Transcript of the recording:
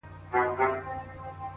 ستا د څوڼو ځنگلونه زمـا بــدن خـوري.